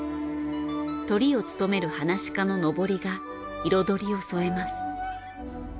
トリを務める噺家ののぼりが彩りを添えます。